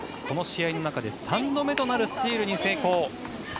この試合の中で３度目となるスチールに成功。